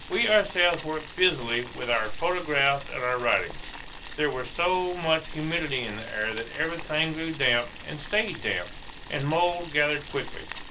We ourselves worked busily with our photographs and our writing. There was so much humidity in the air that everything grew damp and stayed damp, and mould gathered quickly.